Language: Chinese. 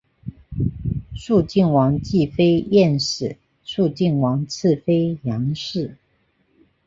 肃靖王继妃晏氏肃靖王次妃杨氏